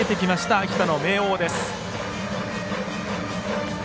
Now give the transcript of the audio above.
秋田の明桜です。